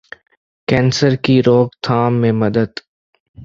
کینسرکی روک تھام میں مدد